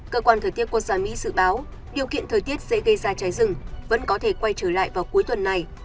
cơ quan thời tiết quốc gia mỹ dự báo điều kiện thời tiết dễ gây ra cháy rừng vẫn có thể quay trở lại vào cuối tuần này